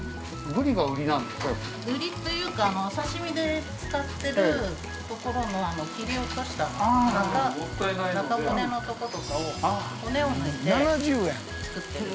ブリというかお刺身で使ってるトロの切り落としたの中骨のとことかを骨を抜いて作ってる。